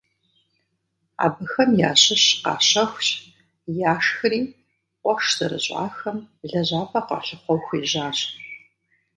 Абыхэм ящыщ къащэхущ, яшхри къуэш зэрыщӏахэм лэжьапӏэ къалъыхъуэу хуежьащ.